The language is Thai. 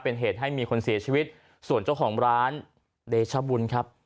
เป็นเหตุให้มีคนเสียชีวิตส่วนเจ้าของร้านเดชบุญครับ